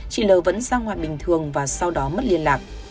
chị l vẫn sang hoạt bình thường và sau đó mất liên lạc